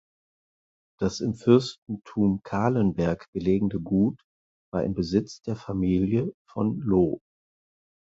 Das im Fürstentum Calenberg gelegene Gut war in Besitz der Familie von Lo(h).